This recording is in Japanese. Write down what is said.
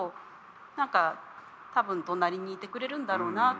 なんか、多分隣にいてくれるんだろうなって。